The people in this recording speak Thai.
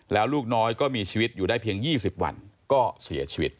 แล้วลูกน้อยก็มีชีวิตอยู่ได้เพียง๒๐วันก็เสียชีวิต